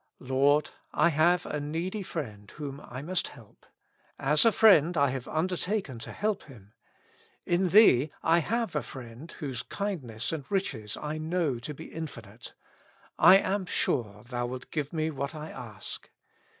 Lord ! I have a needy friend whom I must help. As a friend I have undertaken to help him. In Thee I have a Friend whose kindness and riches I know to be infinite ; I am sure Thou wilt give me what I ask.